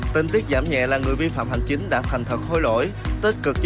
tình tiết giảm nhẹ là người vi phạm hành chính đã thành thật hối lỗi